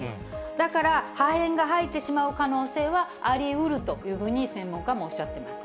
だから、破片が入ってしまう可能性はありうるというふうに、専門家もおっしゃっています。